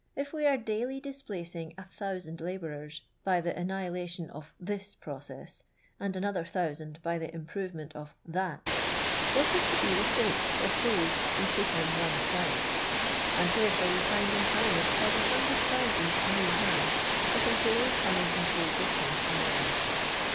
| If we are daily dijjplacin^ a thousand labourers by the annihilation of this process, and another ' thousand by the improvement of that, what is to be the fate of those we put on one side? and where shall we find employment for the hundred thousand new " hands " that are daily coming into existence among us?